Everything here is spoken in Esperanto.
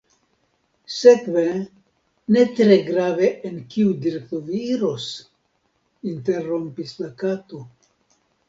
"Sekve, ne tre grave en kiu direkto vi iros," interrompis la Kato.